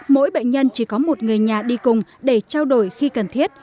mỗi bệnh nhân chỉ có một người nhà đi cùng để trao đổi khi cần thiết